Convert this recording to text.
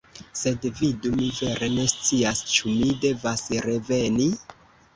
Sed vidu, mi vere ne scias, ĉu mi devas reveni?